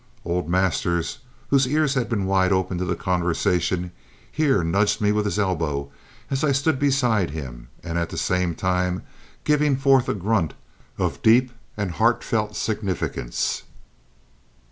Old Masters, whose ears had been wide open to the conversation, here nudged me with his elbow as I stood beside him, and at the same time giving forth a grunt of deep and heartfelt significance.